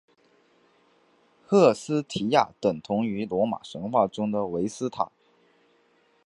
赫斯提亚等同于罗马神话中的维斯塔。